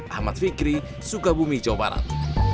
ahmad fikri sukabumi jawa barat